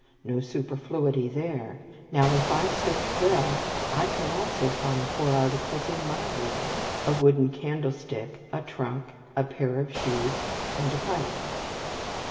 No superfluity there. Now if I search well, I can also find four articles in my room; a wooden candlestick, a trunk, a pair of shoes, and a pipe.